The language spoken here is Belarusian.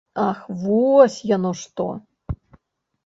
Ах вось яно што!